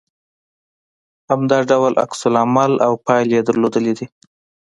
همدا ډول عکس العمل او پايلې يې درلودلې دي